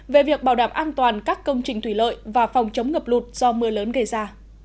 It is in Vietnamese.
về việc bảo đảm an toàn các công trình thủy lợi và phòng chống ngập lụt do mưa lớn gây ra